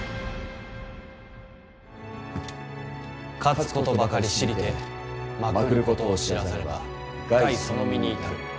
勝事ばかり知りて負くることを知らざれば害その身にいたる。